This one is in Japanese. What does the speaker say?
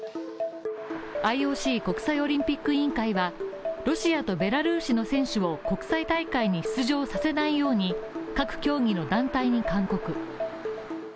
ＩＯＣ＝国際オリンピック委員会は、ロシアとベラルーシの選手を国際大会に出場させないように各競技の団体に勧告。